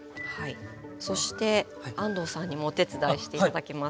そして安藤さんにもお手伝いして頂きます。